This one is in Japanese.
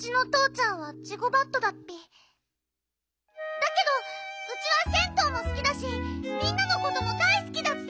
だけどウチは銭湯もすきだしみんなのことも大すきだッピ。